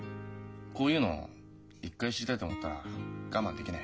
こういうの一回知りたいと思ったら我慢できねえよ。